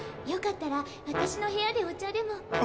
よかったら私の部屋でお茶でも。